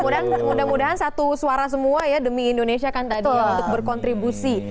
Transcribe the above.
mudah mudahan satu suara semua ya demi indonesia kan tadi ya untuk berkontribusi